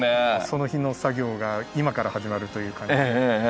その日の作業が今から始まるという感じですね。